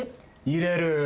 入れる！